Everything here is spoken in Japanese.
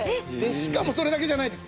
しかもそれだけじゃないです。